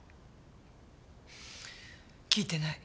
聞いてない。